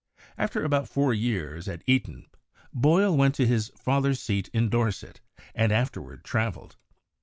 After about four years at Eton, Boyle went to his father's seat in Dorset and afterward traveled.